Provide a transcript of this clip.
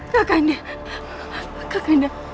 kak kanda kak kanda